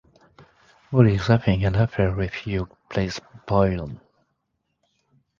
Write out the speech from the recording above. Molly is having an affair with Hugh 'Blazes' Boylan.